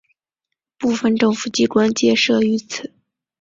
部分政府机关皆设于此。